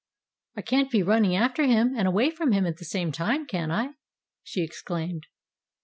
"I can't be running after him and away from him at the same time, can I?" she exclaimed.